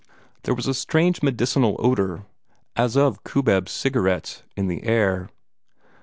There was a strange medicinal odor as of cubeb cigarettes in the air.